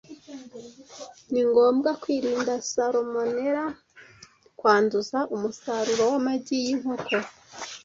Ni ngombwa kwirinda salmonella kwanduza umusaruro w'amagi y'inkoko.